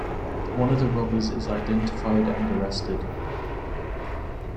One of the robbers is identified and arrested.